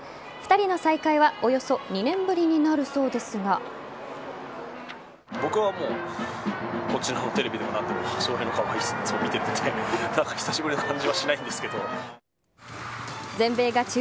２人の再会はおよそ２年ぶりになるそうですが。